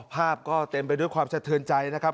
ภาพก็เต็มไปด้วยความสะเทือนใจนะครับ